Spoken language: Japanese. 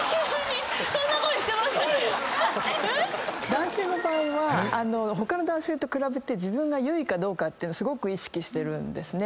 男性の場合は他の男性と比べて自分が優位かどうかってすごく意識してるんですね。